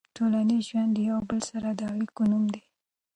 ټولنیز ژوند د یو بل سره د اړیکو نوم دی.